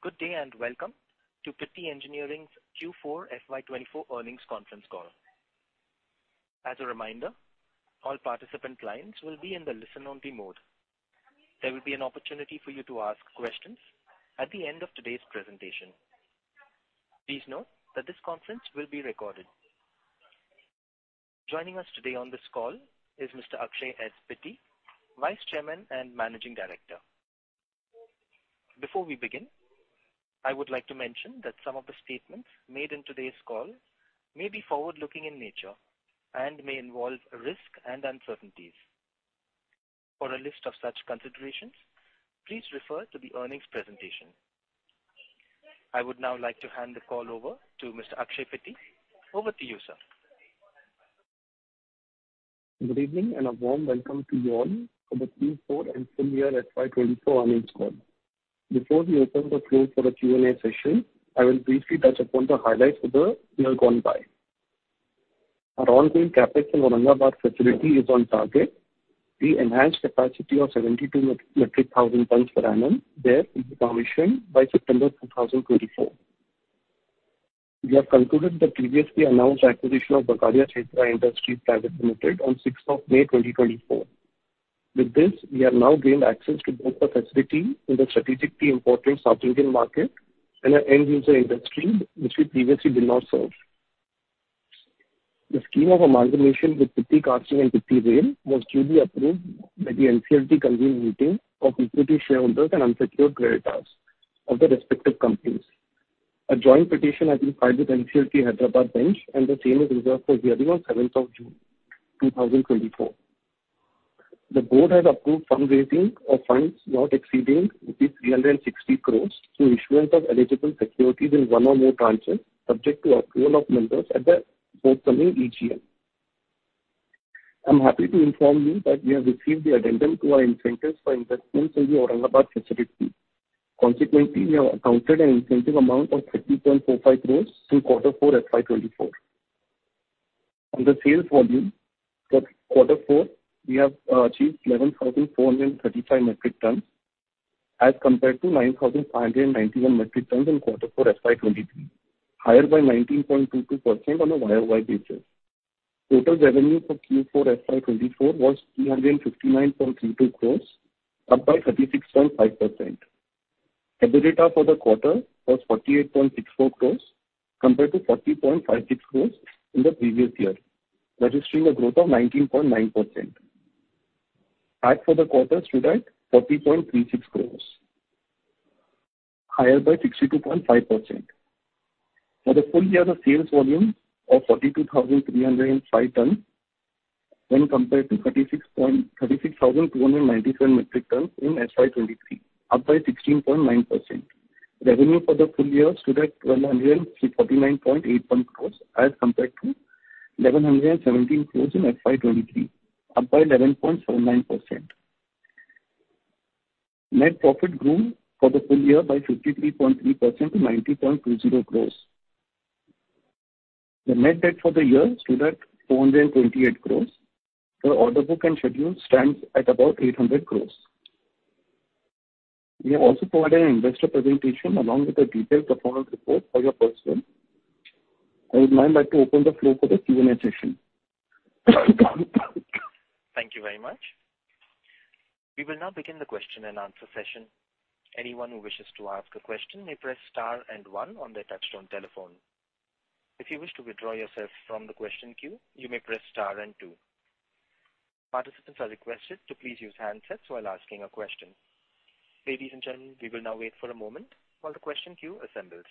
Ladies and gentlemen, good day and welcome to Pitti Engineering's Q4 FY 2024 earnings conference call. As a reminder, all participant lines will be in the listen-only mode. There will be an opportunity for you to ask questions at the end of today's presentation. Please note that this conference will be recorded. Joining us today on this call is Mr. Akshay S. Pitti, Vice Chairman and Managing Director. Before we begin, I would like to mention that some of the statements made in today's call may be forward-looking in nature and may involve risk and uncertainties. For a list of such considerations, please refer to the earnings presentation. I would now like to hand the call over to Mr. Akshay Pitti. Over to you, sir. Good evening, and a warm welcome to you all for the Q4 and full year FY 2024 earnings call. Before we open the floor for the Q&A session, I will briefly touch upon the highlights for the year gone by. Our ongoing CapEx in Aurangabad facility is on target. The enhanced capacity of 72,000 metric tons per annum there will be commissioned by September 2024. We have concluded the previously announced acquisition of Bagadia Chaitra Industries Private Limited on May 6, 2024. With this, we have now gained access to both the facility in the strategically important South Indian market and an end user industry which we previously did not serve. The scheme of amalgamation with Pitti Castings and Pitti Rail was duly approved by the NCLT convened meeting of equity shareholders and unsecured creditors of the respective companies. A joint petition has been filed with NCLT, Hyderabad bench, and the same is reserved for hearing on June 7, 2024. The board has approved fundraising of funds not exceeding 360 crores through issuance of eligible securities in one or more tranches, subject to approval of members at the forthcoming EGM. I'm happy to inform you that we have received the addendum to our incentives for investments in the Aurangabad facility. Consequently, we have accounted an incentive amount of 30.45 crores through quarter four FY 2024. On the sales volume for quarter four, we have achieved 11,435 metric tons, as compared to 9,591 metric tons in quarter four FY 2023, higher by 19.22% on a YoY basis. Total revenue for Q4 FY 2024 was 359.32 crores, up by 36.5%. EBITDA for the quarter was 48.64 crores compared to 40.56 crores in the previous year, registering a growth of 19.9%. PAT for the quarter stood at 40.36 crores, higher by 62.5%. For the full year, the sales volume of 42,305 tons when compared to 36,297 metric tons in FY 2023, up by 16.9%. Revenue for the full year stood at 149.81 crores, as compared to 1,117 crores in FY 2023, up by 11.79%. Net profit grew for the full year by 53.3% to 90.20 crore. The net debt for the year stood at 428 crore. The order book and schedule stands at about 800 crore. We have also provided an investor presentation along with a detailed performance report for your perusal. I would now like to open the floor for the Q&A session. Thank you very much. We will now begin the question and answer session. Anyone who wishes to ask a question may press star and one on their touchtone telephone. If you wish to withdraw yourself from the question queue, you may press star and two. Participants are requested to please use handsets while asking a question. Ladies and gentlemen, we will now wait for a moment while the question queue assembles.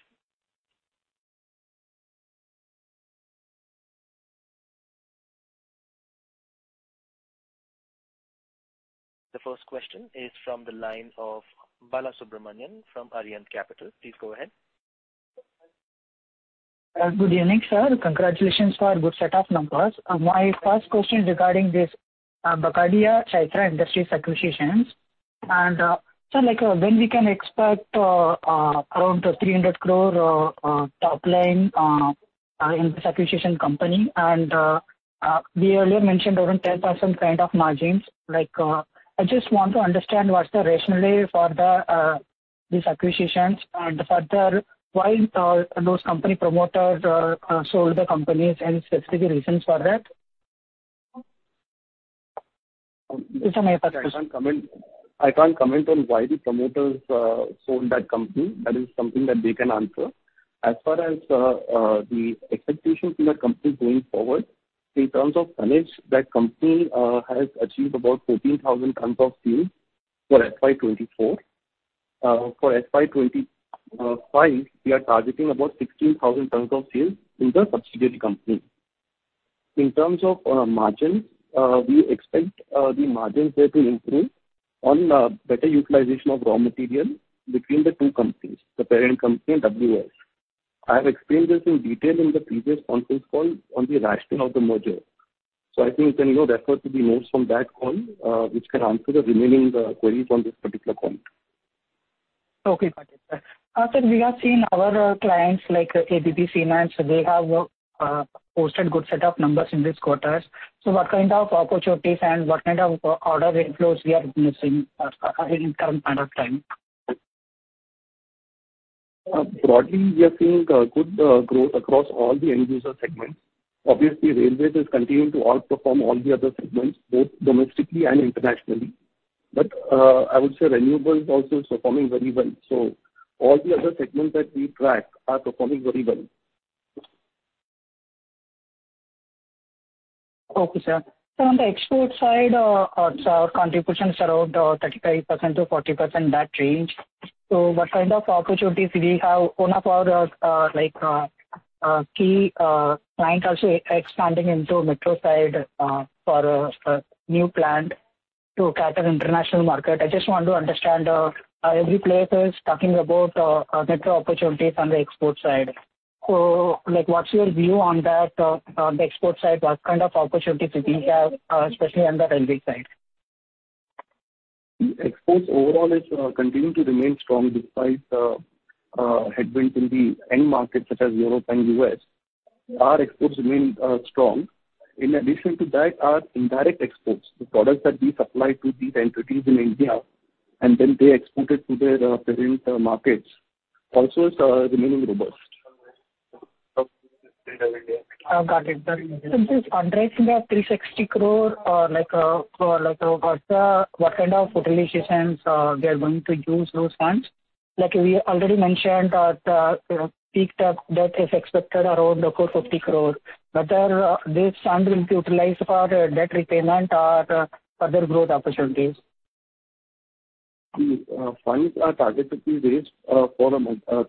The first question is from the line of Balasubramanian from Arihant Capital. Please go ahead. Good evening, sir. Congratulations for good set of numbers. My first question is regarding this Bagadia Chaitra Industries acquisitions. And, so, like, when we can expect around 300 crore top line in this acquisition company and we earlier mentioned around 10% kind of margins. Like, I just want to understand what's the rationale for this acquisitions and further, why those company promoters sold the companies, any specific reasons for that? These are my first questions. I can't comment, I can't comment on why the promoters sold that company. That is something that they can answer. As far as the expectations in that company going forward, in terms of tonnage, that company has achieved about 14,000 tons of steel for FY 2024. For FY 2025, we are targeting about 16,000 tons of sales in the subsidiary company. In terms of margins, we expect the margins there to improve on better utilization of raw material between the two companies, the parent company and WOS. I have explained this in detail in the previous conference call on the rationale of the merger, so I think then you know, refer to the notes from that call, which can answer the remaining queries on this particular point. Okay, got it. Sir, we have seen our clients, like ABB, Siemens, they have posted good set of numbers in this quarters. So what kind of opportunities and what kind of order inflows we are missing in current point of time? Broadly, we are seeing good growth across all the end user segments. Obviously, railways is continuing to outperform all the other segments, both domestically and internationally. But, I would say renewables also is performing very well. So all the other segments that we track are performing very well. Okay, sir. So on the export side, our contributions are around 35%-40%, that range. So what kind of opportunities we have? One of our key client also expanding into metro side for a new plant to cater international market. I just want to understand how every player is talking about metro opportunities on the export side. So, like, what's your view on that on the export side? What kind of opportunities we have, especially on the railway side? Exports overall is continuing to remain strong despite headwinds in the end markets, such as Europe and U.S. Our exports remain strong. In addition to that, our indirect exports, the products that we supply to these entities in India, and then they export it to their different markets, also is remaining robust. I've got it. And this underwriting of 360 crore, or like, for like, what, what kind of utilizations, they are going to use those funds? Like we already mentioned that, you know, peak debt, debt is expected around 450 crores. Whether, this fund will be utilized for, debt repayment or, further growth opportunities. The funds are targeted to be raised for a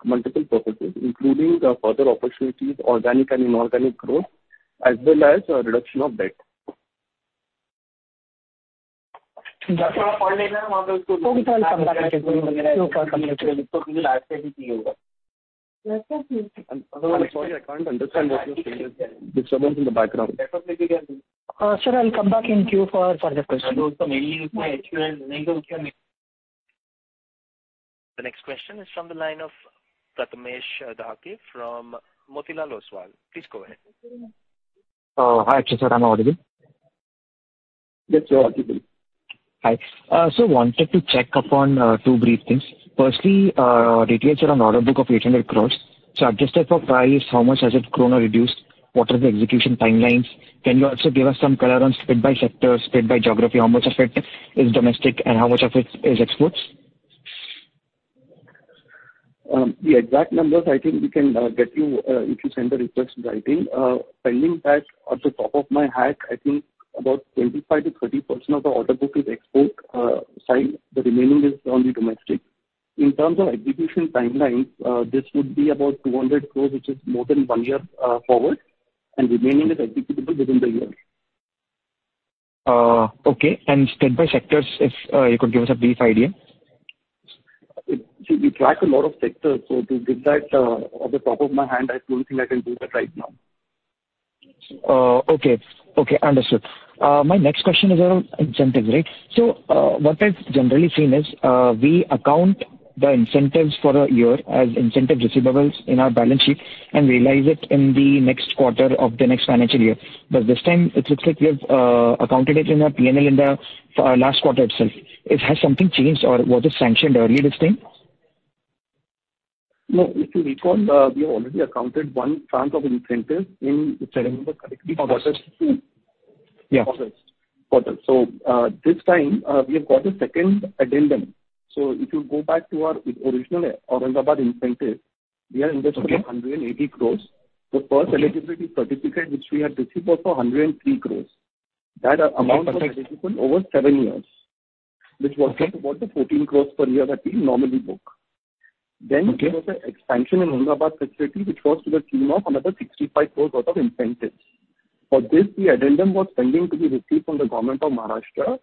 multiple purposes, including further opportunities, organic and inorganic growth, as well as reduction of debt. Got it. I'm sorry, I can't understand what you're saying. There's disturbance in the background. Sir, I'll come back in queue for the question. The next question is from the line of Pratamesh Dahake from Motilal Oswal. Please go ahead. Hi, sir. Am I audible? Yes, you are audible. Hi. So wanted to check upon two brief things. Firstly, you had said an order book of 800 crore. So adjusted for price, how much has it grown or reduced? What are the execution timelines? Can you also give us some color on split by sector, split by geography? How much of it is domestic and how much of it is exports? The exact numbers, I think we can get you if you send the request in writing. Pending that, off the top of my head, I think about 25%-30% of the order book is export side, the remaining is only domestic. In terms of execution timelines, this would be about 200 crores, which is more than one year forward, and remaining is executable within the year. Okay. And split by sectors, if you could give us a brief idea. We track a lot of sectors, so to give that, off the top of my head, I don't think I can do that right now. Okay. Okay, understood. My next question is around incentive, right? So, what I've generally seen is, we account the incentives for a year as incentive receivables in our balance sheet and realize it in the next quarter of the next financial year. But this time, it looks like we have accounted it in our P&L in the last quarter itself. Has something changed, or was it sanctioned earlier this time? No, if you recall, we have already accounted one tranche of incentive in, if I remember correctly, quarter two. Yeah. Quarter. So, this time, we have got a second addendum. So if you go back to our original Aurangabad incentive, we are investing- Okay. 180 crores. The first eligibility certificate, which we have received, was for 103 crores. That amount- Perfect. - was eligible over seven years. Okay. Which works out to about the 14 crore per year that we normally book. Okay. Then there was an expansion in Aurangabad facility, which was to the tune of another 65 crore worth of incentives. For this, the addendum was pending to be received from the government of Maharashtra,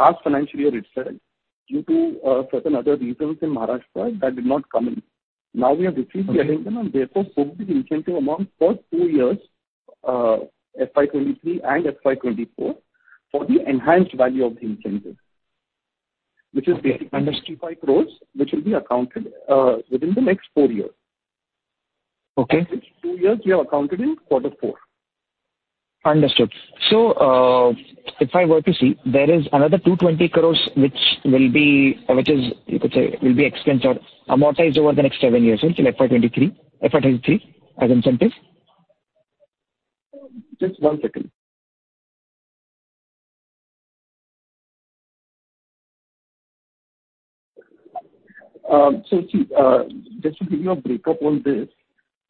last financial year itself. Due to certain other reasons in Maharashtra, that did not come in. Now we have received the addendum- Okay. - and therefore book the incentive amount for two years, FY 2023 and FY 2024, for the enhanced value of the incentive, which is basically- Understood. - 65 crore, which will be accounted within the next four years. Okay. Two years we have accounted in quarter four. Understood. So, if I were to see, there is another 220 crore, which will be... Which is, you could say, will be expensed or amortized over the next seven years until FY 2023, FY 2023, as incentive? Just one second. So, see, just to give you a breakup on this,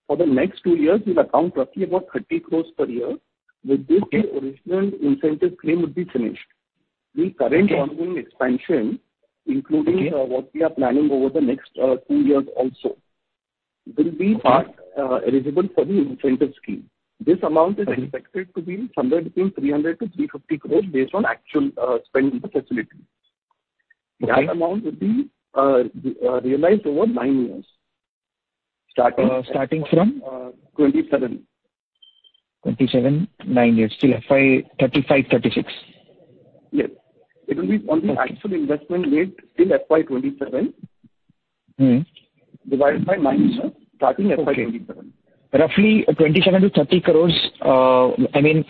for the next two years, we'll account roughly about 30 crore per year. Okay. With this, the original incentive claim would be finished. Okay. The current ongoing expansion- Okay. including what we are planning over the next two years also will be part eligible for the incentive scheme. Okay. This amount is expected to be somewhere between 300-350 crores, based on actual spend in the facility. Okay. That amount would be realized over nine years, starting- Starting from? Uh,27. 27.9 years. Till FY 35-36. Yes. It will be on the actual investment made till FY 2027. Mm-hmm. Divided by nine years, starting FY 2027. -roughly 27-30 crores, I mean,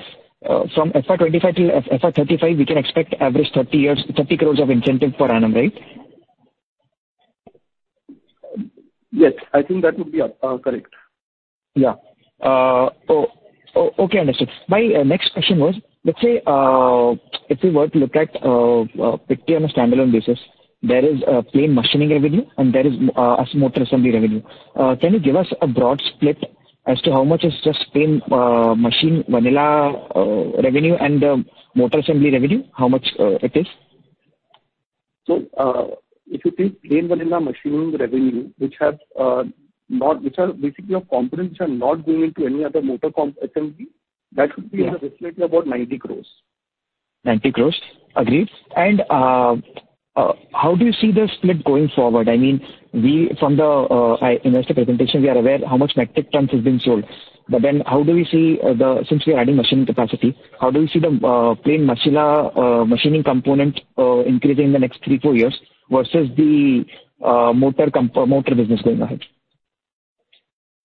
from FY 2025 till FY 2035, we can expect average 30 years, 30 crores of incentive per annum, right? Yes, I think that would be correct. Yeah. Okay, understood. My next question was, let's say, if we were to look at Pitti on a standalone basis, there is a plain machining revenue and there is a motor assembly revenue. Can you give us a broad split as to how much is just plain machine vanilla revenue and the motor assembly revenue, how much it is? If you take plain vanilla machining revenue, which are basically your components, which are not going into any other motor comp assembly, that should be- Yeah. In the vicinity of about 90 crore. 90 crore. Agreed. And how do you see the split going forward? I mean, we from the investor presentation, we are aware how much metric tons has been sold, but then how do we see the-since we are adding machining capacity, how do you see the lamina machining component increasing in the next three, four years versus the motor comp motor business going ahead?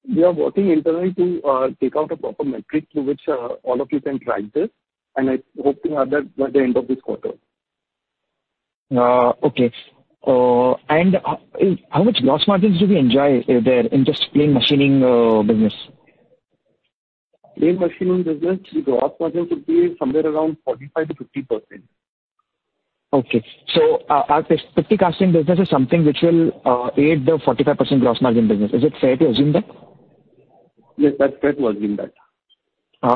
We are working internally to take out a proper metric through which all of you can track this, and I hope to have that by the end of this quarter. Okay. How much gross margins do we enjoy there in just plain machining business? Plain machining business, the gross margin should be somewhere around 45%-50%. Okay. So our Pitti casting business is something which will aid the 45% gross margin business. Is it fair to assume that? Yes, that's fair to assume that.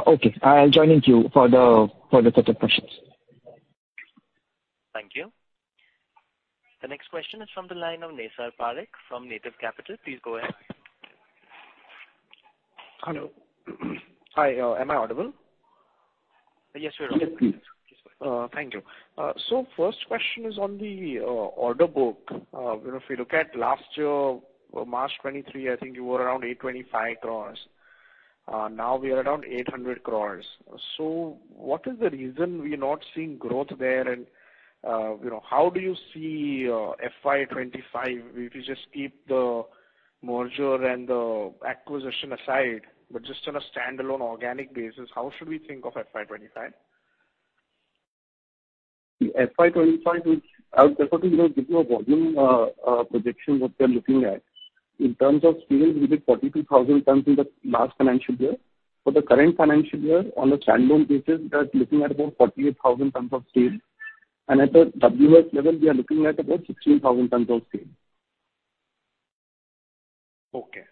Okay. I'll join in queue for the set of questions. Thank you. The next question is from the line of Naysar Parikh from Native Capital. Please go ahead. Hello. Hi, am I audible? Yes, you are. Yes, please. Thank you. So first question is on the order book. You know, if you look at last year, March 2023, I think you were around 825 crore. Now we are around 800 crore. So what is the reason we are not seeing growth there? And you know, how do you see FY 2025, if you just keep the merger and the acquisition aside, but just on a standalone, organic basis, how should we think of FY 2025? The FY 2025 is, I would prefer to, you know, give you a volume projection, what we are looking at. In terms of steel, we did 42,000 tons in the last financial year. For the current financial year, on a standalone basis, we are looking at about 48,000 tons of steel. And at the WOS level, we are looking at about 16,000 tons of steel. Okay.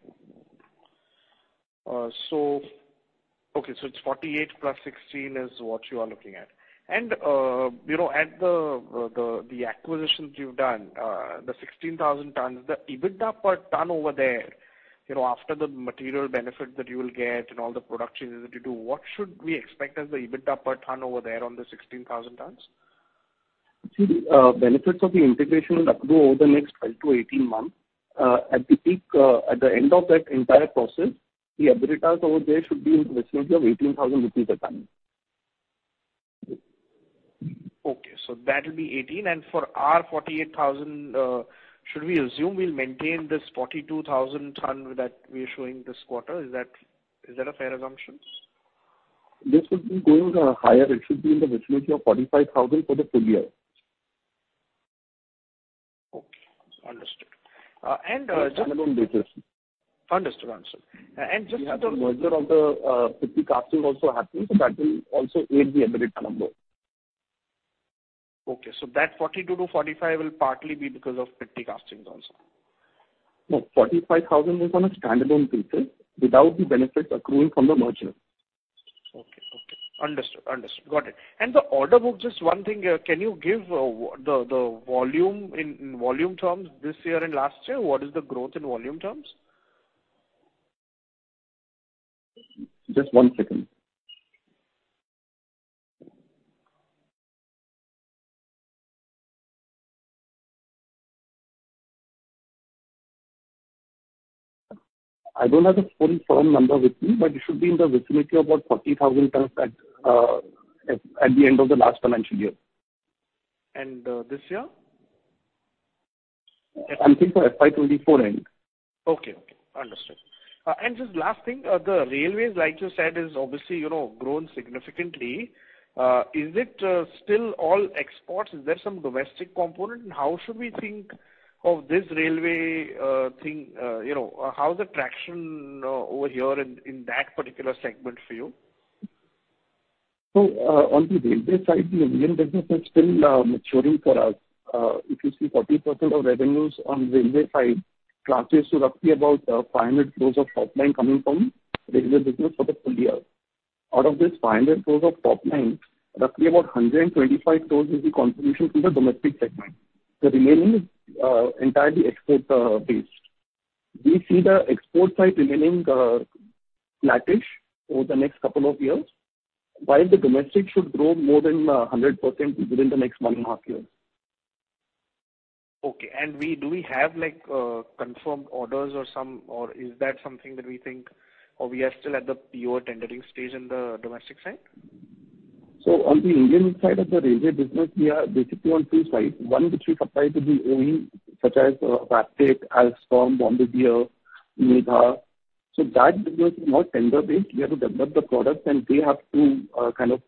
So, okay, so it's 48 plus 16 is what you are looking at. And, you know, at the acquisitions you've done, the 16,000 tons, the EBITDA per ton over there, you know, after the material benefit that you will get and all the production that you do, what should we expect as the EBITDA per ton over there on the 16,000 tons? See, benefits of the integration will accrue over the next 12-18 months. At the peak, at the end of that entire process, the EBITDA over there should be in the vicinity of 18,000 rupees a ton. Okay. So that will be 18. And for our 48,000, should we assume we'll maintain this 42,000 tons that we are showing this quarter? Is that, is that a fair assumption? This will be going higher. It should be in the vicinity of 45,000 for the full year. Okay. Understood. Standalone basis. Understood. Understood. And just to- We have the merger of the Pitti Castings also happening, so that will also aid the EBITDA number. Okay. So that 42-45 will partly be because of Pitti Castings also. No, 45 thousand is on a standalone basis, without the benefit accruing from the merger. Okay, okay. Understood. Understood. Got it. And the order book, just one thing, can you give what the volume in volume terms this year and last year? What is the growth in volume terms? Just one second. I don't have the full firm number with me, but it should be in the vicinity of about 40,000 tons at the end of the last financial year. And this year? I'm thinking FY 2024 end. Okay. Okay. Understood. And just last thing, the railways, like you said, is obviously, you know, grown significantly. Is it still all exports? Is there some domestic component? And how should we think of this railway thing? You know, how's the traction over here in that particular segment for you? So, on the railway side, the Indian business is still maturing for us. If you see 40% of revenues on railway side, translates to roughly about 500 crores of top line coming from railway business for the full year. Out of this 500 crores of top line, roughly about 125 crores will be contribution to the domestic segment. The remaining is entirely export based. We see the export side remaining flattish over the next couple of years, while the domestic should grow more than 100% within the next one and a half years. Okay. And do we have, like, confirmed orders or some... Or is that something that we think or we are still at the pure tendering stage on the domestic side? So on the Indian side of the railway business, we are basically on two sides. One, which we supply to the OEM, such as, Wabtec, Alstom, Bombardier, Medha. So that business is more tender-based. We have to develop the products, and they have to, kind of,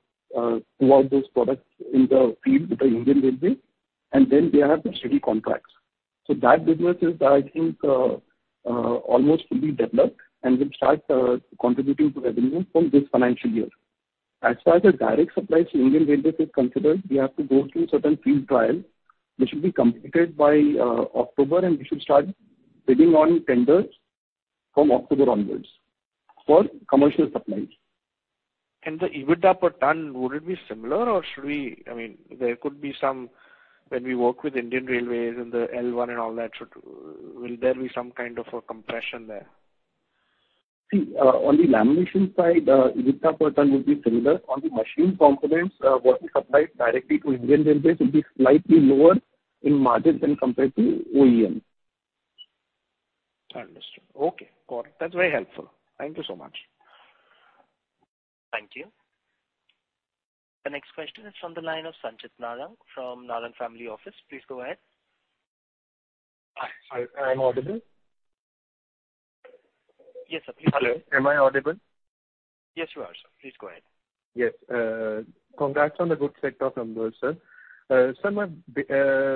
pull out those products in the field with the Indian Railways, and then they have the steady contracts. So that business is, I think, almost fully developed and will start, contributing to revenue from this financial year. As far as the direct supply to Indian Railways is considered, we have to go through certain field trial, which should be completed by, October, and we should start bidding on tenders from October onwards for commercial supplies. The EBITDA per ton, would it be similar or should we—I mean, there could be some, when we work with Indian Railways and the L1 and all that, should. Will there be some kind of a compression there? See, on the lamination side, EBITDA per ton will be similar. On the machine components, what we supply directly to Indian Railways will be slightly lower in margins when compared to OEM. Understood. Okay, got it. That's very helpful. Thank you so much. Thank you. The next question is from the line of Sanchit Narang from Narang Family Office. Please go ahead. Hi. I'm audible? Yes, sir. Please go ahead. Hello, am I audible? Yes, you are, sir. Please go ahead. Yes. Congrats on the good set of numbers, sir. Sir, my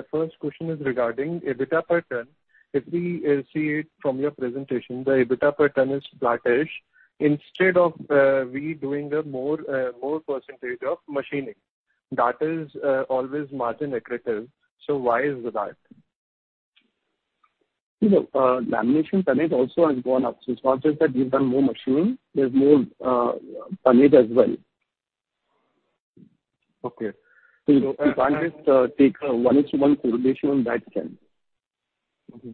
first question is regarding EBITDA per ton. If we see it from your presentation, the EBITDA per ton is flattish. Instead of we doing a more more percentage of machining, that is always margin accretive. So why is that? You know, lamination tonnage also has gone up. So it's not just that we've done more machining, there's more tonnage as well. Okay. So you can't just, take a one-to-one correlation on that front. Mm-hmm.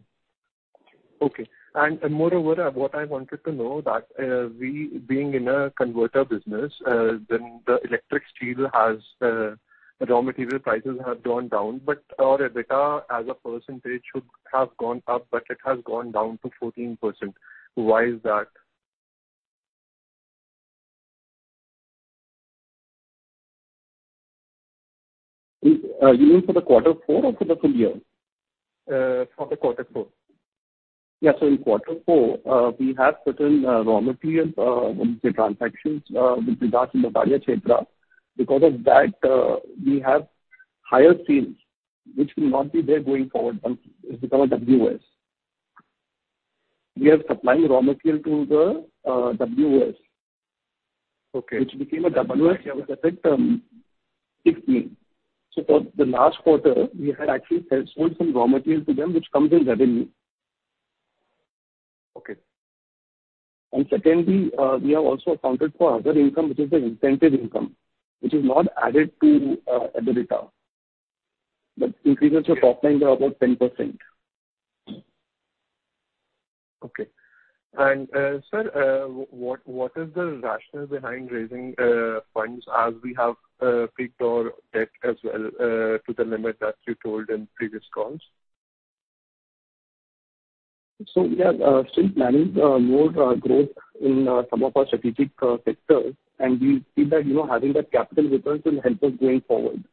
Okay. And moreover, what I wanted to know that, we being in a converter business, then the electric steel raw material prices have gone down, but our EBITDA as a percentage should have gone up, but it has gone down to 14%. Why is that? Is, you mean for the quarter four or for the full year? For the quarter four. Yeah, so in quarter four, we have certain raw materials transactions with Bagadia Chaitra. Because of that, we have higher sales, which will not be there going forward once it become a WOS. We are supplying raw material to the WOS. Okay. Which became a WOS with effect sixteenth. So for the last quarter, we had actually sold some raw material to them, which comes in revenue. Okay. And secondly, we have also accounted for other income, which is the incentive income, which is not added to EBITDA, but increases your top line by about 10%. Okay. And, sir, what is the rationale behind raising funds as we have peaked our debt as well to the limit that you told in previous calls? We are still planning more growth in some of our strategic sectors, and we feel that, you know, having that capital with us will help us going forward.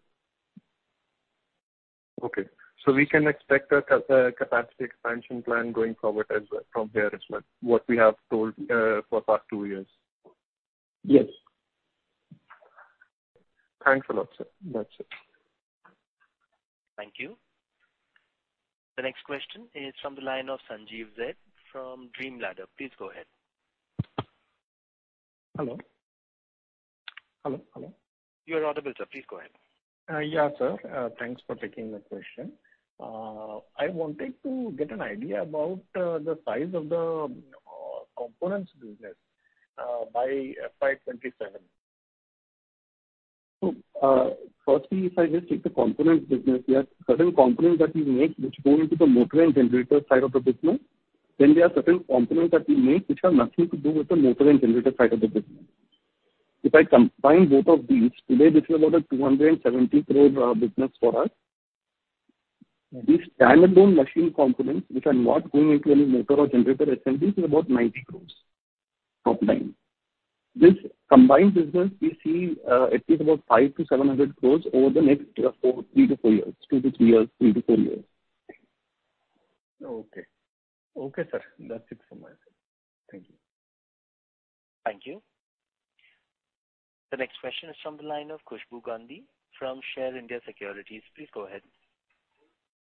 Okay, so we can expect a capacity expansion plan going forward as well, from here as well, what we have told, for the past two years? Yes. Thanks a lot, sir. That's it. Thank you. The next question is from the line of Sanjeev Zarbade, from DreamLadder. Please go ahead. Hello? Hello, hello. You are audible, sir. Please go ahead. Yeah, sir. Thanks for taking the question. I wanted to get an idea about the size of the components business by FY 2027. Firstly, if I just take the components business, we have certain components that we make, which go into the motor and generator side of the business. Then there are certain components that we make, which have nothing to do with the motor and generator side of the business. If I combine both of these, today this is about 270 crore business for us. These standalone machine components, which are not going into any motor or generator assemblies, is about 90 crore, top line. This combined business, we see, at least about 500-700 crore over the next four, three to four years, two to three years, three to four years. Okay. Okay, sir. That's it from my side. Thank you. Thank you. The next question is from the line of Khushbu Gandhi from Share India Securities. Please go ahead.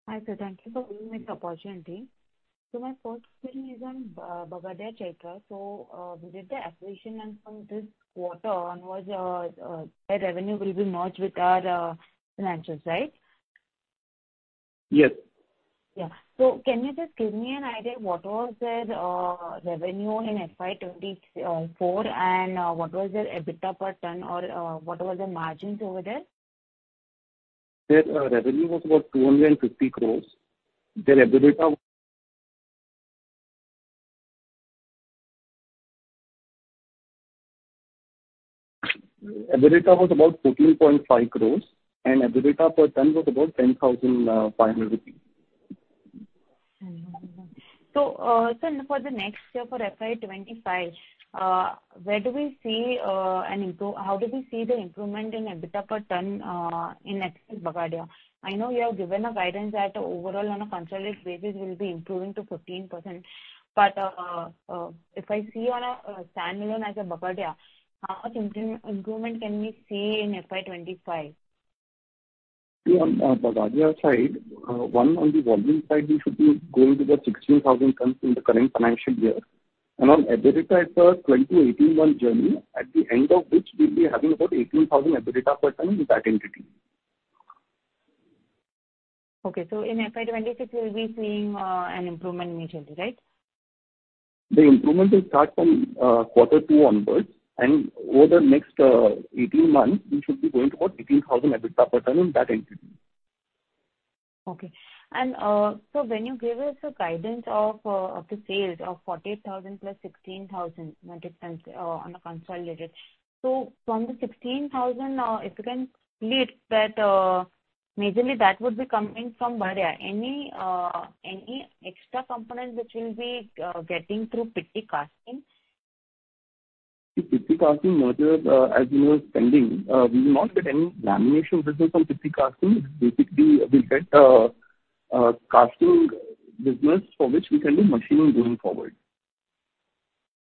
Hi, sir. Thank you for giving me the opportunity. So my first question is on Bagadia Chaitra. So we did the acquisition, and from this quarter onwards, their revenue will be merged with our financials, right? Yes. Yeah. So can you just give me an idea, what was their revenue in FY 2024, and what was their EBITDA per ton or what were the margins over there? Their revenue was about 250 crores. Their EBITDA... EBITDA was about 14.5 crores, and EBITDA per ton was about 10,500 rupees. So, so for the next year, for FY 2025, where do we see, how do we see the improvement in EBITDA per ton, in ex-Bagadia? I know you have given a guidance that overall on a consolidated basis will be improving to 15%, but, if I see on a, standalone as a Bagadia, how much improvement can we see in FY 2025? Yeah, on Bagadia side, one, on the volume side, we should be going to the 16,000 tons in the current financial year. And on EBITDA, it's a 20-18 month journey, at the end of which we'll be having about 18,000 EBITDA per ton in that entity. Okay, so in FY 2026, we'll be seeing an improvement immediately, right? The improvement will start from quarter two onwards, and over the next 18 months, we should be going toward 18,000 EBITDA per ton in that entity. Okay. And, so when you give us a guidance of up to sales of 48,000 plus 16,000 metric tons on a consolidated. So from the 16,000, if you can split that, majorly that would be coming from Bagadia. Any extra component which will be getting through Pitti Castings? The Pitti Castings merger, as you know, is pending. We will not get any lamination business from Pitti Castings. Basically, we'll get casting business for which we can do machining going forward.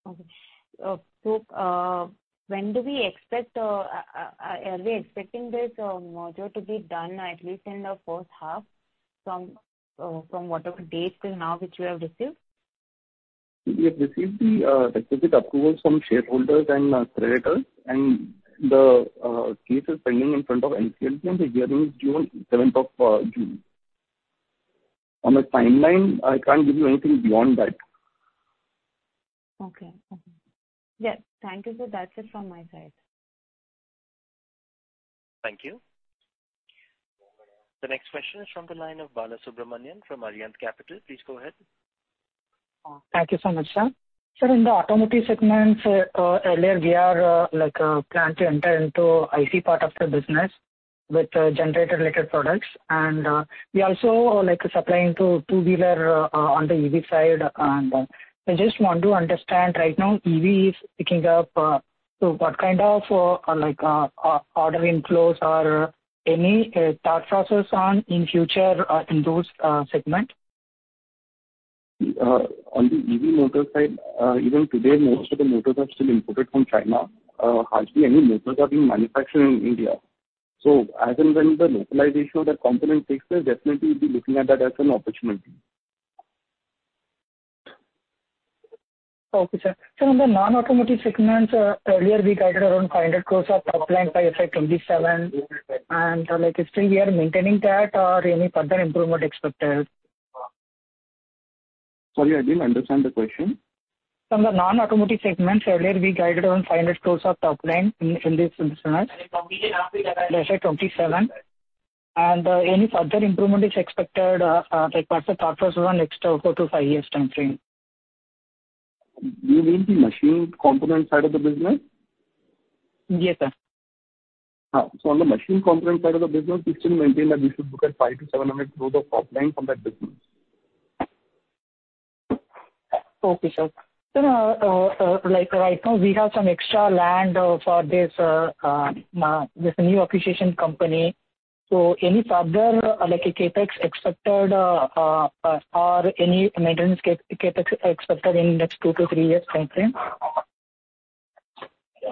Okay. So, when do we expect, are we expecting this merger to be done at least in the first half from, from whatever date till now, which you have received? We have received the requisite approval from shareholders and creditors, and the case is pending in front of NCLT, and the hearing is due seventh of June. On the timeline, I can't give you anything beyond that. Okay. Okay. Yes, thank you, sir. That's it from my side. Thank you. The next question is from the line of Bala Subramanian from Arihant Capital. Please go ahead. Thank you so much, sir. Sir, in the automotive segments, earlier, we are, like, plan to enter into IC part of the business with generator-related products, and, we also like supplying to two-wheeler, on the EV side. And I just want to understand, right now, EV is picking up, so what kind of, like, order inflows or any, thought process on in future, in those, segment? On the EV motor side, even today, most of the motors are still imported from China. Hardly any motors are being manufactured in India. So as and when the localization of that component takes place, definitely we'll be looking at that as an opportunity. Okay, sir. In the non-automotive segments, earlier we guided around 500 crores of top line by FY 2027, and, like, still we are maintaining that or any further improvement expected? Sorry, I didn't understand the question. From the non-automotive segments, earlier, we guided around 500 crore of top line in this FY 2027. Any further improvement is expected, like what's the thought process on next 2-5 years time frame? Do you mean the machine component side of the business? Yes, sir. So on the machine component side of the business, we still maintain that we should look at 500-700 growth of top line from that business. Okay, sir. Sir, like right now, we have some extra land for this this new acquisition company. So any further, like, CapEx expected or any maintenance CapEx expected in next two to three years time frame?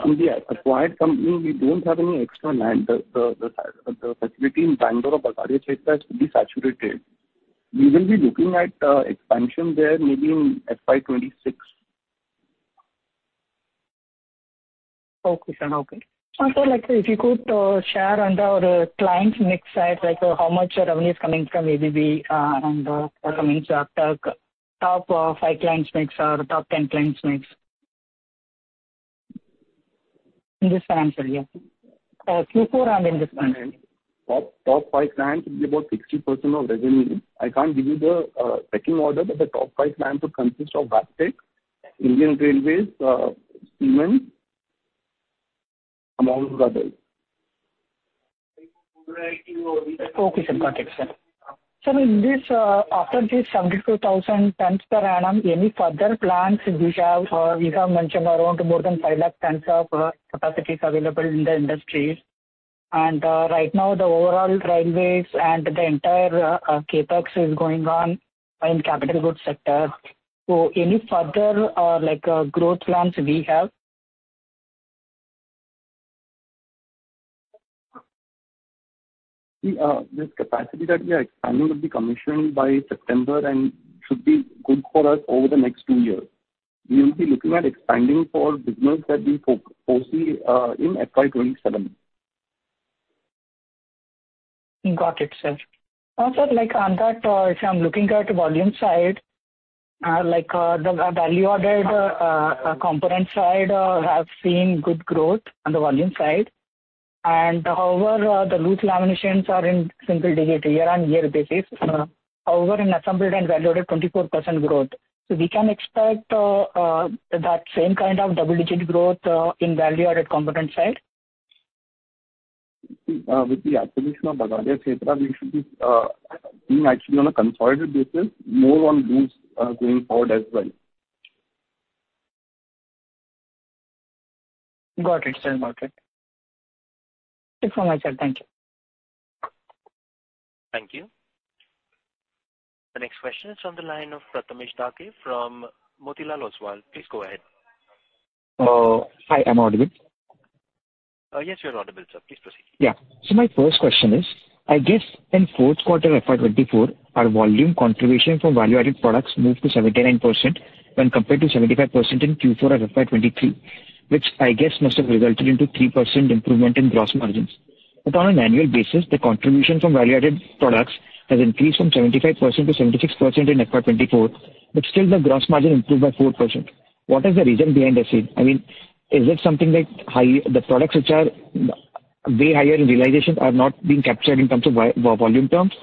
In the acquired company, we don't have any extra land. The facility in Bangalore of Bagadia Chaitra is to be saturated. We will be looking at expansion there maybe in FY 2026. Okay, sir. Okay. So, like, if you could share on the client mix side, like how much your revenue is coming from ABB, and coming to the top five clients mix or the top 10 clients mix? In this financial year. Q4 and in this financial year. Top, top five clients will be about 60% of revenue. I can't give you the pecking order, but the top five clients would consist of Wabtec, Indian Railways, cement, among others. Okay, sir. Got it, sir. Sir, in this, after this 72,000 tons per annum, any further plans which you have, or you have mentioned around more than 500,000 tons of capacity is available in the industry. And right now, the overall railways and the entire CapEx is going on in capital goods sector. So any further, like, growth plans we have? This capacity that we are expanding will be commissioned by September and should be good for us over the next two years. We will be looking at expanding for business that we foresee in FY 2027. Got it, sir. Sir, like on that, if I'm looking at the volume side, like, the value-added component side have seen good growth on the volume side. However, the loose laminations are in single-digit year-on-year basis. However, in assembled and value-added, 24% growth. So we can expect that same kind of double-digit growth in value-added component side? With the acquisition of Bagadia Chaitra, we should be being actually on a consolidated basis, more in loss, going forward as well. Got it, sir. Got it. It's all right, sir. Thank you. Thank you. The next question is on the line of Prathamesh Dahake from Motilal Oswal. Please go ahead. Hi, I'm audible? Yes, you are audible, sir. Please proceed. Yeah. So my first question is, I guess in Q4 of FY 2024, our volume contribution from value-added products moved to 79% when compared to 75% in Q4 of FY 2023, which I guess must have resulted into 3% improvement in gross margins. But on an annual basis, the contribution from value-added products has increased from 75%-76% in FY 2024, but still, the gross margin improved by 4%. What is the reason behind the same? I mean, is it something like high, the products which are way higher in realization are not being captured in terms of volume terms?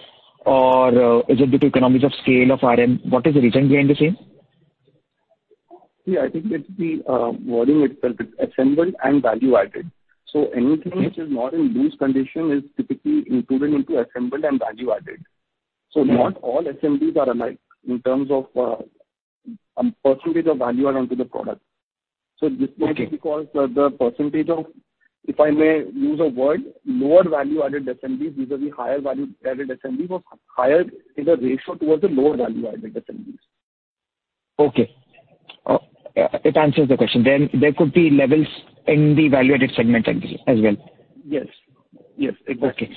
Or, is it due to economies of scale of RM? What is the reason behind the same? Yeah, I think it's the volume itself, it's assembled and value added. So anything which is not in loose condition is typically included into assembled and value added. Yeah. Not all SKUs are alike in terms of percentage of value add onto the product. Okay. This may be because the percentage of, if I may use a word, lower value-added SKUs vis-à-vis higher value-added SKUs was higher in a ratio towards the lower value-added SKUs. Okay. It answers the question. Then there could be levels in the value-added segment as well. Yes. Yes, exactly. Okay.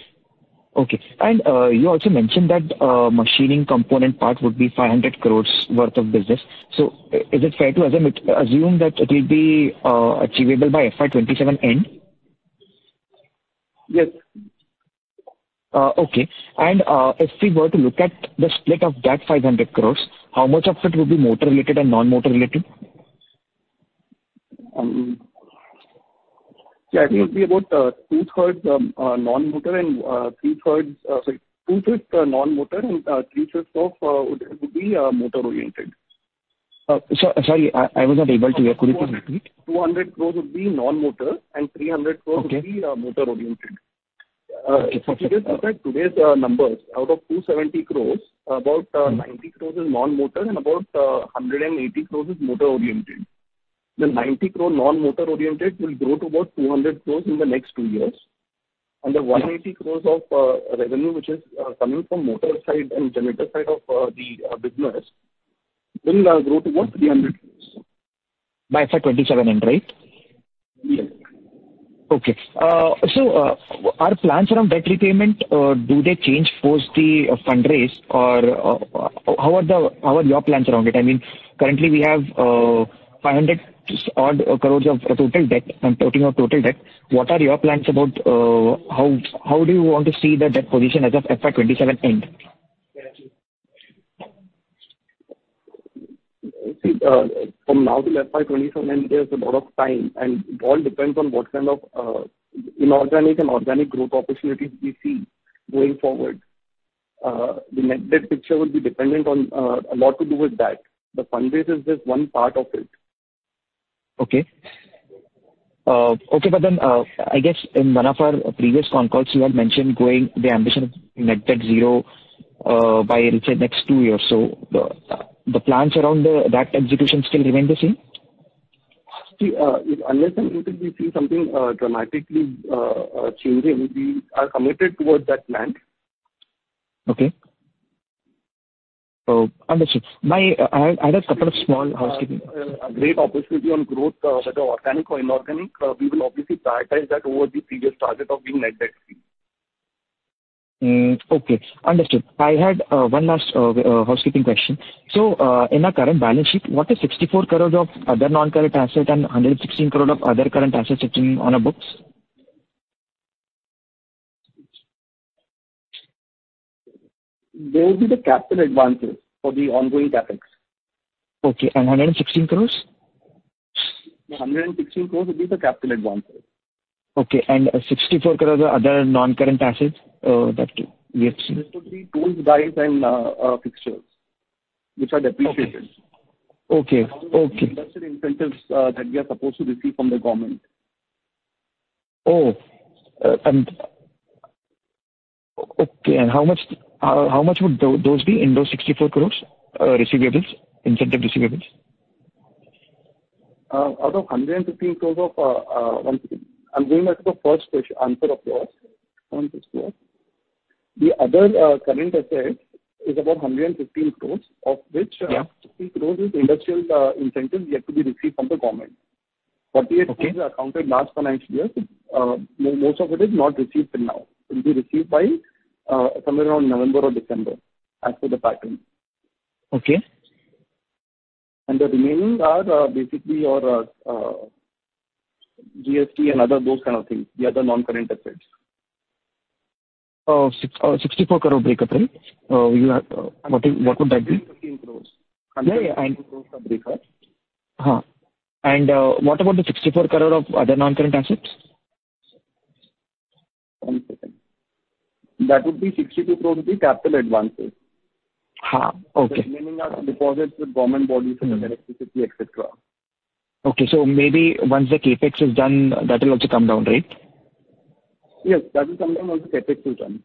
Okay, and you also mentioned that machining component part would be 500 crore worth of business. So is it fair to assume that it will be achievable by FY 2027 end? Yes. Okay. If we were to look at the split of that 500 crore, how much of it would be motor-related and non-motor related? Yeah, I think it would be about 2/3 non-motor and 3/3, sorry, 2/5 non-motor and 3/5 of would be motor-oriented. So sorry, I was not able to hear. Could you please repeat? 200 crore would be non-motor and 300 crore- Okay. -would be, motor-oriented. If you just look at today's, numbers, out of 270 crores, about, 90 crores is non-motor and about, 180 crores is motor-oriented. The 90 crore non-motor-oriented will grow to about 200 crores in the next two years. Okay. The 180 crores of revenue, which is coming from motor side and generator side of the business, will grow to about 300 crores. By FY 2027 end, right? Yes. Okay. So, our plans around debt repayment, do they change post the fundraise or, how are your plans around it? I mean, currently, we have 500 odd crores of total debt. I'm talking of total debt. What are your plans about how do you want to see the debt position as of FY 2027 end? Thank you. See, from now till FY 2027 end, there's a lot of time, and it all depends on what kind of inorganic and organic growth opportunities we see going forward. The net debt picture will be dependent on a lot to do with that. The fundraise is just one part of it. Okay. Okay, but then, I guess in one of our previous concalls, you had mentioned going the ambition of net debt zero, by, let's say, next two years. So the, the plans around the, that execution still remain the same? See, unless and until we see something dramatically changing, we are committed towards that plan. Okay. Understood. I had a couple of small housekeeping- A great opportunity on growth, whether organic or inorganic, we will obviously prioritize that over the previous target of being net debt free. Mm. Okay, understood. I had one last housekeeping question. So, in our current balance sheet, what is 64 crore of other non-current asset and 116 crore of other current assets sitting on our books? Those are the capital advances for the ongoing CapEx. Okay, and 116 crores? The 116 crore will be the capital advances. Okay, and 64 crore, other non-current assets, that we have seen. This could be tools, dies, and fixtures which are depreciated. Okay. Okay, okay. Incentives that we are supposed to receive from the government. Oh, and okay, and how much, how much would those be in those 64 crore, receivables, incentive receivables? Out of 116 crores of, I'm going back to the first question, answer of yours on this one. The other current asset is about 116 crores, of which- Yeah. 16 crore is industrial incentives yet to be received from the government. Okay. 48 crore were accounted last financial year. Most of it is not received till now. It will be received by somewhere around November or December, as per the pattern. Okay. The remaining are basically our GST and other those kind of things, the other non-current assets. Oh, 64 crore breakup, then, you have, what is, what would that be? INR 116 crore. Yeah, yeah. INR 116 crore of breakout. What about the 64 crore of other non-current assets? One second.... That would be 62 crore rupee be capital advances. Ha, okay. Meaning our deposits with government bodies and electricity, et cetera. Okay, so maybe once the CapEx is done, that will also come down, right? Yes, that will come down once the CapEx is done.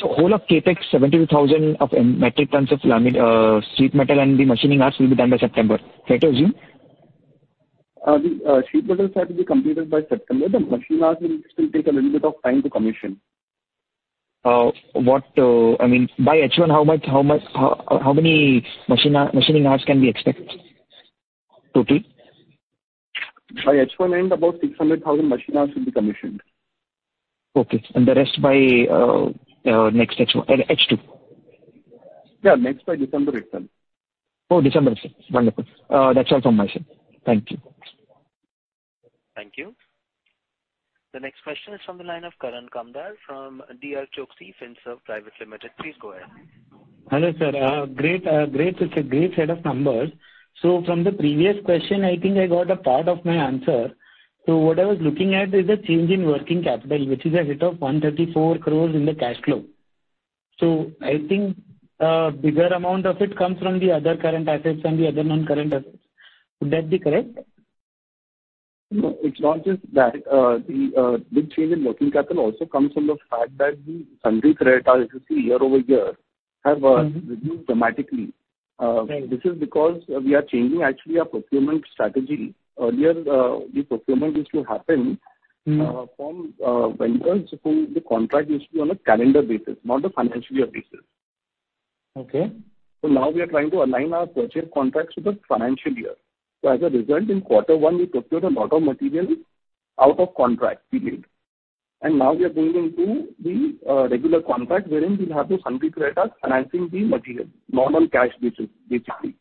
So whole of CapEx, 72,000 of metric tons of laminate, sheet metal and the machining hours will be done by September. Can I assume? The sheet metal side will be completed by September, the machine hours will still take a little bit of time to commission. I mean, by H1, how many machining hours can we expect, total? By H1 end, about 600,000 machine hours will be commissioned. Okay. And the rest by next H1, H2? Yeah, next by December itself. Oh, December. Wonderful. That's all from my side. Thank you. Thank you. The next question is from the line of Karan Kamdar from DRChoksey FinServ Private Limited. Please go ahead. Hello, sir. Great, great, it's a great set of numbers. So from the previous question, I think I got a part of my answer. So what I was looking at is the change in working capital, which is a hit of 134 crore in the cash flow. So I think, bigger amount of it comes from the other current assets and the other non-current assets. Would that be correct? No, it's not just that. The big change in working capital also comes from the fact that the sundry creditors, if you see year-over-year, have reduced dramatically. Mm-hmm. Right. This is because we are changing actually our procurement strategy. Earlier, the procurement used to happen- Mm. From vendors who the contract used to be on a calendar basis, not a financial year basis. Okay. So now we are trying to align our purchase contracts with the financial year. So as a result, in quarter one, we procured a lot of material out of contract period. And now we are going into the regular contract, wherein we'll have to sundry creditors financing the material, normal cash basis, basically.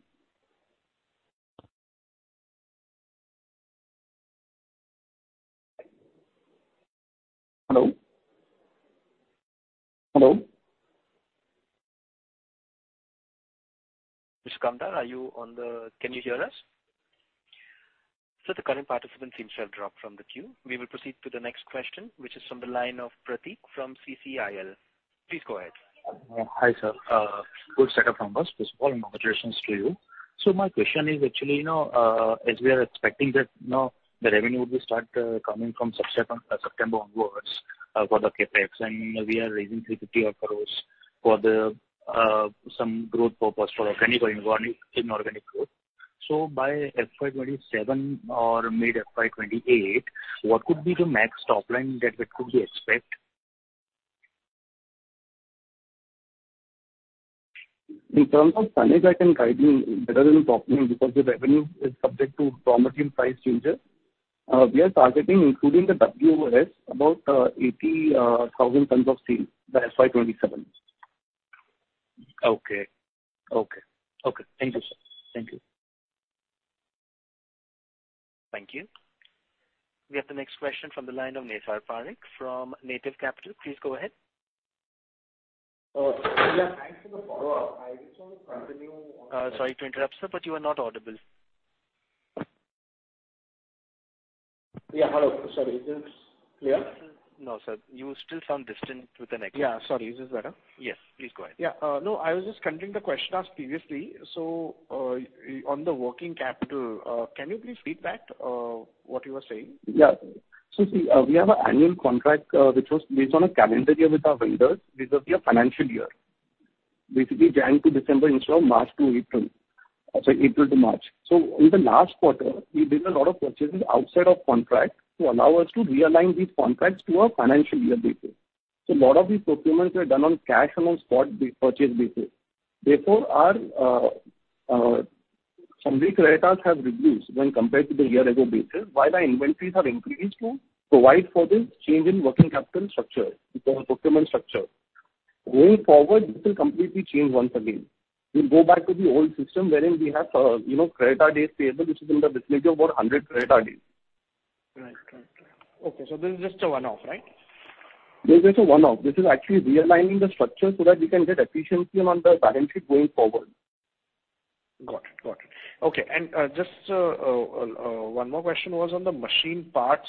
Hello? Hello? Mr. Kamdar, are you on the-Can you hear us? So the current participant seems to have dropped from the queue. We will proceed to the next question, which is from the line of Pratik from CCIL. Please go ahead. Hi, sir. Good set of numbers, first of all, and congratulations to you. So my question is actually, you know, as we are expecting that, you know, the revenue will start coming from September, September onwards, for the CapEx, and we are raising 350 crore for the some growth purpose for organic, organic, inorganic growth. So by FY 2027 or mid FY 2028, what could be the max top line that we could expect? In terms of tonnage, I can guide you better than the top line, because the revenue is subject to raw material price changes. We are targeting, including the WOS, about 80,000 tons of steel by FY 2027. Okay. Okay. Okay. Thank you, sir. Thank you. Thank you. We have the next question from the line of Naysar Parikh from Native Capital. Please go ahead. Yeah, thanks for the follow-up. I just want to continue on- Sorry to interrupt, sir, but you are not audible. Yeah, hello. Sorry, is this clear? No, sir, you still sound distant to the next- Yeah, sorry, is this better? Yes, please go ahead. Yeah. No, I was just continuing the question asked previously. So, on the working capital, can you please repeat that, what you were saying? Yeah. So see, we have an annual contract, which was based on a calendar year with our vendors. This was their financial year. Basically, January to December instead of March to April. Sorry, April to March. So in the last quarter, we did a lot of purchases outside of contract to allow us to realign these contracts to our financial year basis. So a lot of these procurements were done on cash on a spot purchase basis. Therefore, our sundry creditors have reduced when compared to the year-ago basis, while our inventories have increased to provide for this change in working capital structure, for procurement structure. Going forward, this will completely change once again. We'll go back to the old system, wherein we have, you know, creditor days payable, which is in the vicinity of about 100 creditor days. Right. Correct. Okay, so this is just a one-off, right? This is a one-off. This is actually realigning the structure so that we can get efficiency on the balance sheet going forward. Got it. Got it. Okay, and just one more question was on the machine parts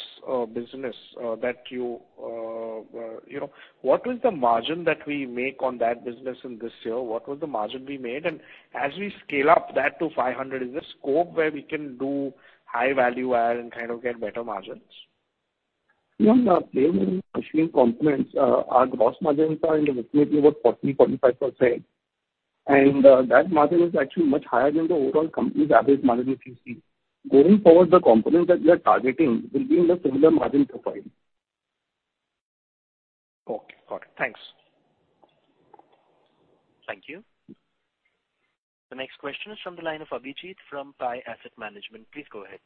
business that you know. What was the margin that we make on that business in this year? What was the margin we made? And as we scale up that to 500, is there scope where we can do high value add and kind of get better margins? Yeah, on the machine components, our gross margins are in the vicinity of about 40%-45%. That margin is actually much higher than the overall company's average margin, if you see. Going forward, the components that we are targeting will be in the similar margin profile. Okay. Got it. Thanks. Thank you. The next question is from the line of Abhijit from Pi Asset Management. Please go ahead.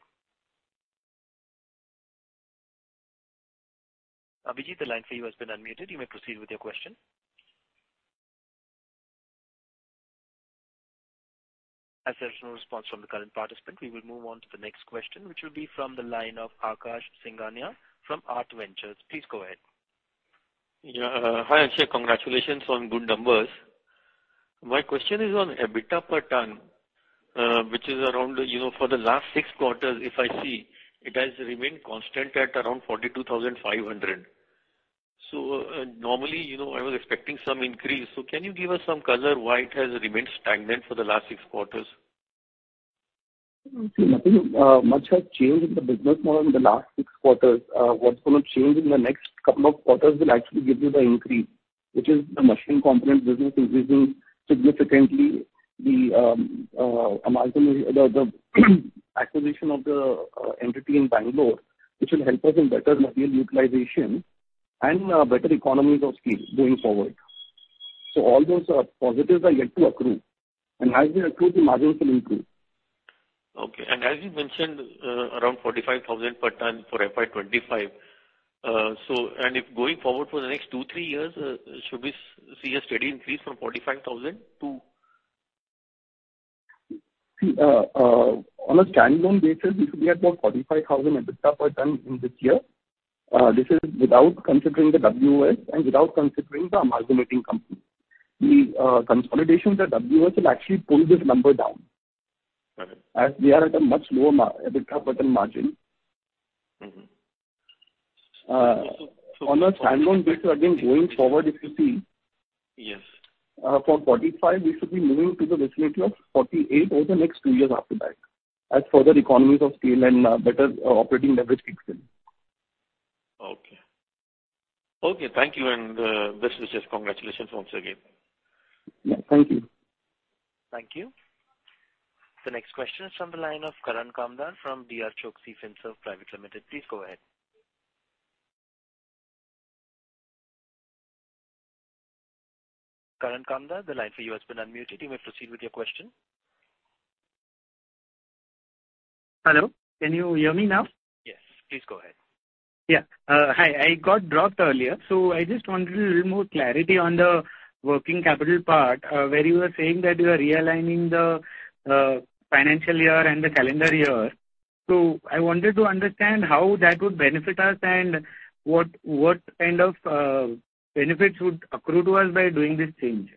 Abhijit, the line for you has been unmuted. You may proceed with your question. As there's no response from the current participant, we will move on to the next question, which will be from the line of Akash Singhania from AART Ventures. Please go ahead. Yeah, hi, Akshay. Congratulations on good numbers. My question is on EBITDA per ton, which is around, you know, for the last six quarters, if I see, it has remained constant at around 42,500. So, normally, you know, I was expecting some increase. So can you give us some color why it has remained stagnant for the last six quarters? See, nothing much has changed in the business model in the last six quarters. What's going to change in the next couple of quarters will actually give you the increase, which is the machine component business increasing significantly, the acquisition of the entity in Bangalore, which will help us in better material utilization and better economies of scale going forward. So all those positives are yet to accrue, and as they accrue, the margins will improve. Okay. And as you mentioned, around 45,000 per ton for FY 2025. So and if going forward for the next two, three years, should we see a steady increase from 45,000 to? See, on a standalone basis, we should be at about 45,000 EBITDA per ton in this year. This is without considering the WOS and without considering the amalgamating company. The consolidation of the WOS will actually pull this number down. Got it. As we are at a much lower margin EBITDA per ton margin. Mm-hmm. On a standalone basis, again, going forward, if you see- Yes. For 45, we should be moving to the vicinity of 48 over the next two years after that, as further economies of scale and better operating leverage kicks in. Okay. Okay, thank you, and best wishes. Congratulations once again. Yeah. Thank you. Thank you. The next question is from the line of Karan Kamdar from DRChoksey FinServ Private Limited. Please go ahead. Karan Kamdar, the line for you has been unmuted. You may proceed with your question. Hello, can you hear me now? Yes. Please go ahead. Yeah. Hi, I got dropped earlier, so I just wanted a little more clarity on the working capital part, where you were saying that you are realigning the financial year and the calendar year. So I wanted to understand how that would benefit us and what, what kind of benefits would accrue to us by doing this change?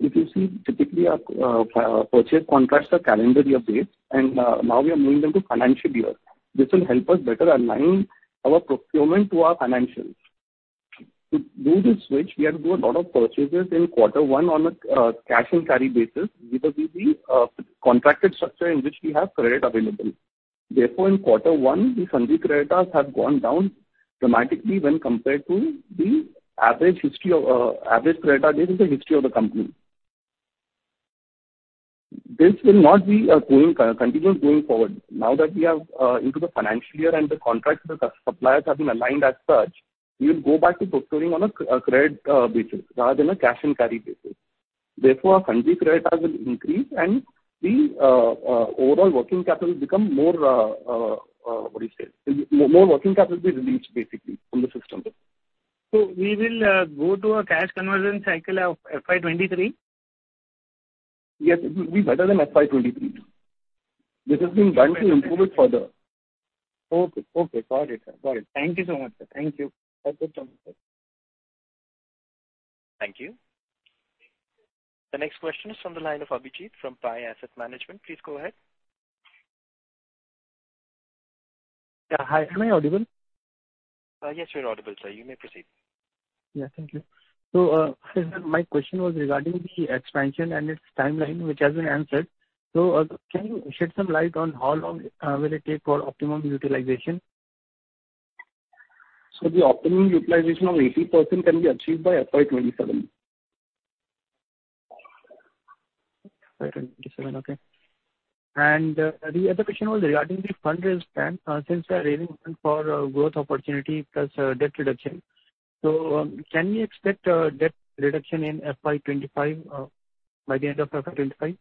If you see, typically our purchase contracts are calendar year based, and now we are moving them to financial year. This will help us better align our procurement to our financials. To do this switch, we have to do a lot of purchases in quarter one on a cash and carry basis because of the contracted structure in which we have credit available. Therefore, in quarter one, the sundry creditors have gone down dramatically when compared to the average history of average creditor days in the history of the company. This will not be going continuous going forward. Now that we are into the financial year and the contracts with the suppliers have been aligned as such, we will go back to procuring on a credit basis rather than a cash and carry basis. Therefore, our sundry creditors will increase, and the overall working capital will become more, what do you say? More working capital will be released basically from the system. We will go to a cash conversion cycle of FY 2023? Yes, it will be better than FY 2023. This has been done to improve it further. Okay. Okay, got it. Got it. Thank you so much, sir. Thank you. Welcome. Thank you. The next question is from the line of Abhijit from Pi Asset Management. Please go ahead. Yeah. Hi, am I audible? Yes, you're audible, sir. You may proceed. Yeah. Thank you. So, sir, my question was regarding the expansion and its timeline, which has been answered. So, can you shed some light on how long will it take for optimum utilization? The optimum utilization of 80% can be achieved by FY 2027. FY 27. Okay. And, the other question was regarding the fundraise plan, since we are raising fund for, growth opportunity plus, debt reduction. So, can we expect a debt reduction in FY 25, by the end of FY 25?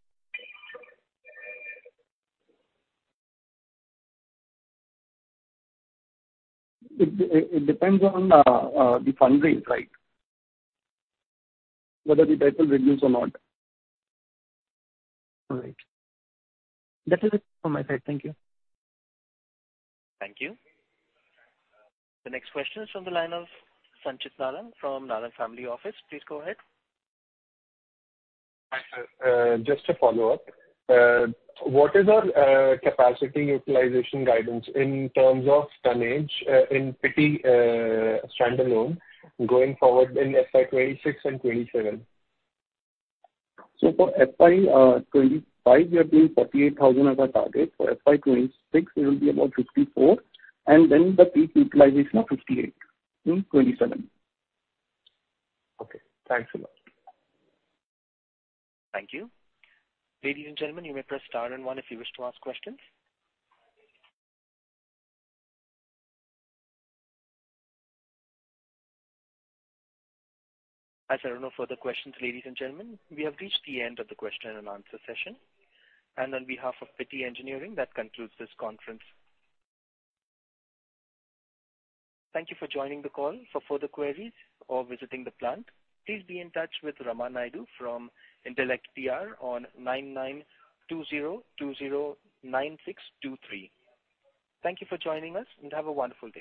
It depends on the fundraise, right, whether the debt will reduce or not. All right. That is it from my side. Thank you. Thank you. The next question is from the line of Sanchit Narang from Narang Family Office. Please go ahead. Hi, sir. Just a follow-up. What is our capacity utilization guidance in terms of tonnage in Pitti standalone going forward in FY 2026 and 2027? For FY 2025, we are doing 48,000 as our target. For FY 2026, it will be about 54, and then the peak utilization of 58 in 2027. Okay. Thanks a lot. Thank you. Ladies and gentlemen, you may press star and one if you wish to ask questions. As there are no further questions, ladies and gentlemen, we have reached the end of the question and answer session, and on behalf of Pitti Engineering, that concludes this conference. Thank you for joining the call. For further queries or visiting the plant, please be in touch with Rama Naidu from Intellect PR on 9920209623. Thank you for joining us, and have a wonderful day.